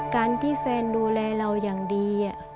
การที่แฟนดูแลเราอย่างดี